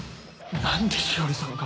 何で詩織さんが？